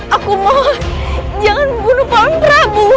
aku mohon jangan membunuh baman prabu